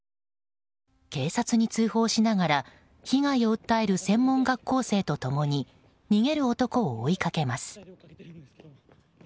警察に通報しながら被害を訴える専門学校生と共に逃げる男を追いかけます。